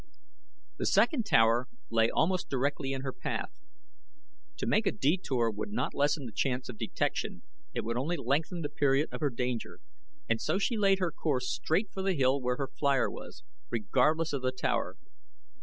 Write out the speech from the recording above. The second tower lay almost directly in her path. To make a detour would not lessen the chance of detection, it would only lengthen the period of her danger, and so she laid her course straight for the hill where her flier was, regardless of the tower.